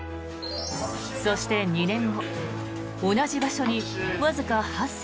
そして２年後同じ場所に、わずか８席